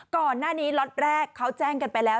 ก่อนหน้านี้ล็อตแรกเขาแจ้งกันไปแล้ว